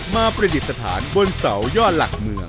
ประดิษฐานบนเสายอดหลักเมือง